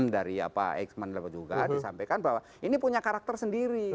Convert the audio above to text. dari pak xman juga disampaikan bahwa ini punya karakter sendiri